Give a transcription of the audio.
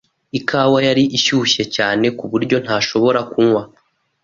Ikawa yari ishyushye cyane ku buryo ntashobora kunywa.